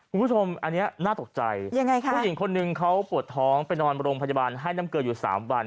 คุณผู้ชมอันนี้น่าตกใจยังไงค่ะผู้หญิงคนนึงเขาปวดท้องไปนอนโรงพยาบาลให้น้ำเกลืออยู่สามวัน